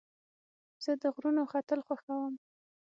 زه د غرونو ختل خوښوم.